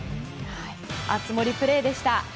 熱盛プレーでした。